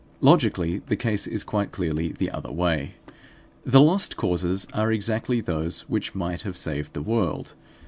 Logically, the case is quite clearly the other way. The lost causes are exactly those which might have saved the world.